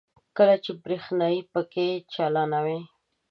کله چې برېښنايي پکې چالانوي.